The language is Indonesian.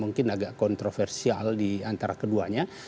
mungkin agak kontroversial diantara keduanya